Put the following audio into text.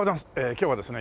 今日はですね